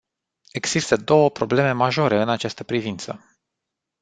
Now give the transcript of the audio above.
Există două probleme majore în această privință.